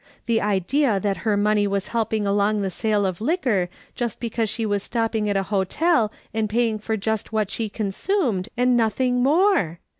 The idea that her money was helping along the sale of liquor just because she was stopping at a hotel and paying for just what she consumed, and nothing more.